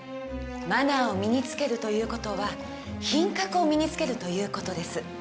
マナーを身につけるという事は品格を身につけるという事です。